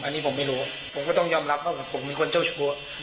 อันนี้ผมไม่รู้ผมก็ต้องยอมรับว่าผมเป็นคนเจ้าชู้